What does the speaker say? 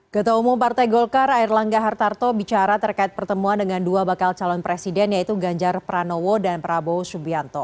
ketua umum partai golkar air langga hartarto bicara terkait pertemuan dengan dua bakal calon presiden yaitu ganjar pranowo dan prabowo subianto